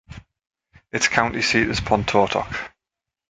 Its county seat is Pontotoc.